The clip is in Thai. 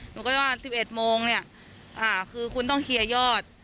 หนูก็จะว่า๑๑โมงเนี่ยคือคุณต้องเคลียร์ยอด